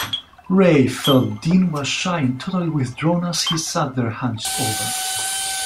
Ray felt Dean was shy and totally withdrawn as he sat there hunched over.